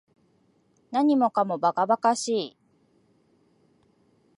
何もかも馬鹿馬鹿しい